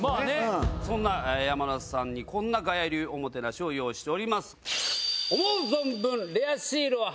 そんな山田さんにこんなガヤ流おもてなしを用意しております。